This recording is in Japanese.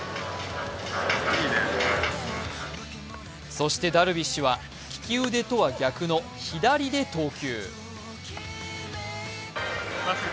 そしてダルビッシュは利き腕とは逆の左で投球。